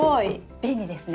便利ですね。